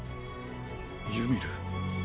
ユミル。